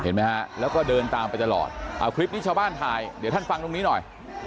เห็นไหมฮะแล้วก็เดินตามไปตลอดเอาคลิปนี้ชาวบ้านถ่ายเดี๋ยวท่านฟังตรงนี้หน่อย